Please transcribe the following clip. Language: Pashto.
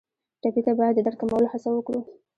ټپي ته باید د درد کمولو هڅه وکړو.